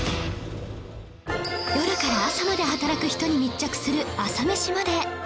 夜から朝まで働く人に密着する『朝メシまで。』